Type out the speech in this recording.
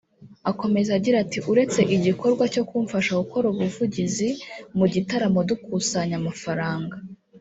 Akomeza agira ati “ Uretse igikorwa cyo kumfasha gukora ubuvugizi mu gitaramo dukusanya amafaranga